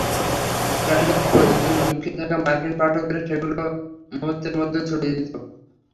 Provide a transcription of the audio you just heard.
ট্রাম্পের খবরের জন্য মুখিয়ে থাকা মার্কিন পাঠকেরা সেগুলো মুহূর্তের মধ্যেই ছড়িয়ে দিত।